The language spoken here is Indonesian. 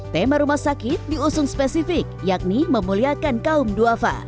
tema rumah sakit diusung spesifik yakni memuliakan kaum duafa